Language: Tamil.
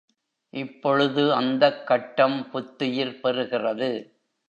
இப்பொழுது அந்தக் கட்டம் புத்துயிர் பெறுகிறது.